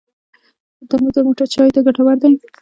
ترموز د موټر چایو ته ګټور دی.